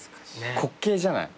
滑稽じゃない。